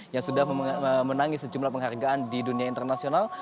yang sudah menangis sejumlah penghargaan di dunia internasional